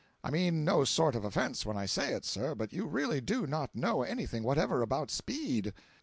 I mean no sort of offence when I say it, sir, but you really do not know anything whatever about speed.